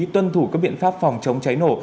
tuân thủ các biện pháp phòng chống cháy nổ